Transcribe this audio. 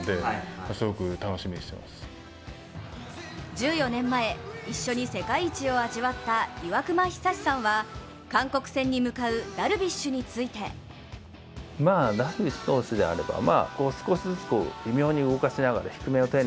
１４年前、一緒に世界一を味わった岩隈久志さんは韓国戦に向かうダルビッシュについてＷＢＣ１４年ぶりの韓国戦。